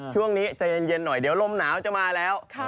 ช่วงนี้ใจเย็นหน่อยเดี๋ยวลมหนาวจะมาแล้ว